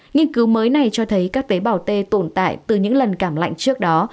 nghiên cứu mới này cho thấy các tế bào t tồn tại từ những lần cảm lạnh trước đó